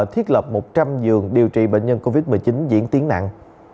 thiết lập một trăm linh giường điều trị bệnh nhân covid một mươi chín diễn tiến nặng